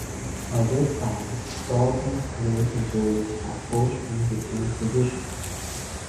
By this time, Daulton's knee injuries had forced him to change positions.